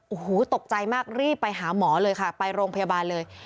โอ้โหตกใจมากรีบไปหาหมอเลยค่ะไปโรงพยาบาลเลย